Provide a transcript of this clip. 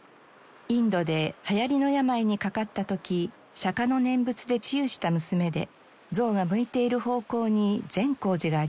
インドで流行りの病にかかった時釈の念仏で治癒した娘で像が向いている方向に善光寺があります。